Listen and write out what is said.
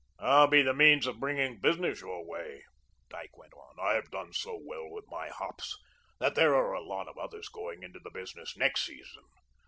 "I'll be the means of bringing business your way," Dyke went on; "I've done so well with my hops that there are a lot of others going into the business next season.